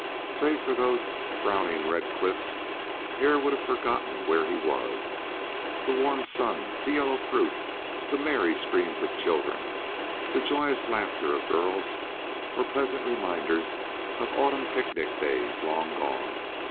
Save for those frowning red cliffs Hare would have forgotten where he was; the warm sun, the yellow fruit, the merry screams of children, the joyous laughter of girls, were pleasant reminders of autumn picnic days long gone.